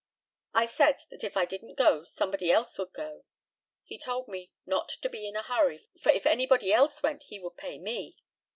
I said, that if I didn't go, somebody else would go. He told me not to be in a hurry, for if anybody else went he would pay me.